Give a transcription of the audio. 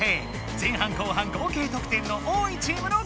前半後半合計とく点の多いチームの勝ちだ。